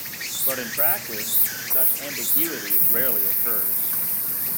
But in practice, such ambiguity rarely occurs.